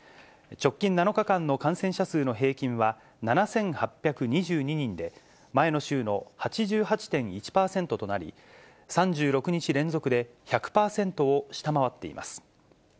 直近７日間の感染者数の平均は、７８２２人で、前の週の８８．１％となり、３６日連続で１００％を下回っています。